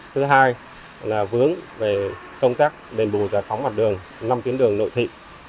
thứ hai là vướng về công tác đền bù giải phóng mặt đường năm tuyến đường nội thị